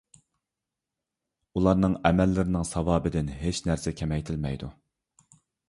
ئۇلارنىڭ ئەمەللىرىنىڭ ساۋابىدىن ھېچ نەرسە كېمەيتىلمەيدۇ.